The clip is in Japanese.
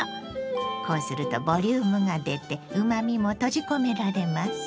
こうするとボリュームが出てうまみも閉じ込められます。